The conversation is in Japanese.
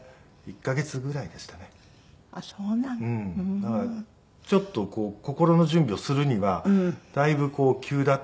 だからちょっと心の準備をするにはだいぶ急だったんですけども。